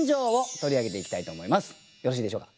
よろしいでしょうか？